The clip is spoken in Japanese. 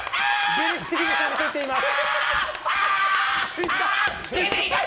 ビリビリが流れています。